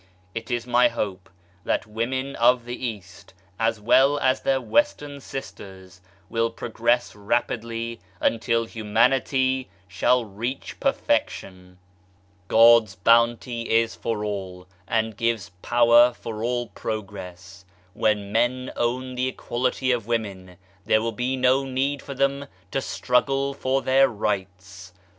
It is my hope that women of the East, as well as their Western sisters, will progress rapidly until Humanity shall reach perfection. 152 POWER OF THE HOLY SPIRIT God's Bounty is for all and gives power for all progress. When men own the equality of women there will be no need for them to struggle for their rights